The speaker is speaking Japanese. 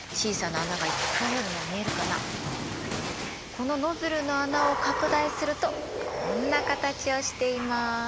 このノズルの穴を拡大するとこんな形をしています。